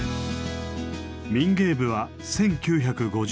民芸部は１９５６年